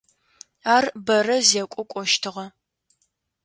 Ар бэрэ зекӏо кӏощтыгъэ.